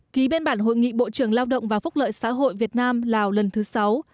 ký bên bản hội nghị bộ trưởng lao động và phúc lợi xã hội việt nam lào lần thứ sáu